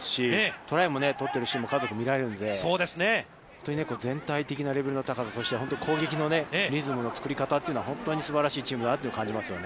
トライも取っているシーンが多く見られるので、本当に全体的なレベルの高さ、そして攻撃のリズムの作り方というのは本当にすばらしいと感じますね。